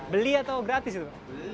beli atau gratis itu